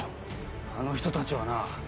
あの人たちはな